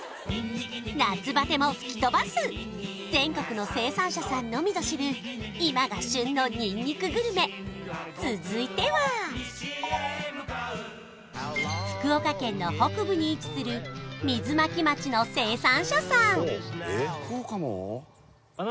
夏バテも吹き飛ばす全国の生産者さんのみぞ知る今が旬のにんにくグルメ続いては福岡県の北部に位置する水巻町の生産者さん